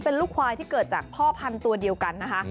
เป็นลูกควายที่เกิดจากพ่อพันธุ์ตัวเดียวกันนะคะ